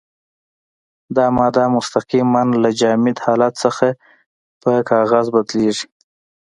دا ماده مستقیماً له جامد حالت څخه په ګاز بدلیږي.